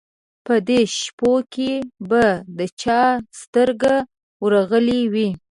په دې شپو کې به د چا سترګه ورغلې وای.